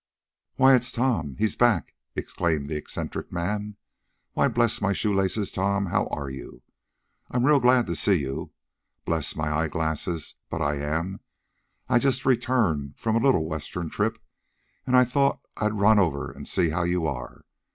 "Why, it's Tom he's back!" exclaimed the eccentric man. "Why, bless my shoe laces, Tom! how are you? I'm real glad to see you. Bless my eyeglasses, but I am! I just returned from a little western trip, and I thought I'd rUn over and see how you are.